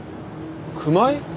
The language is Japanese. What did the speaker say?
熊井？